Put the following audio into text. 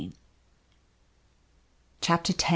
CHAPTER X.